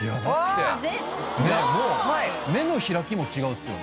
目の開きも違うっすよね。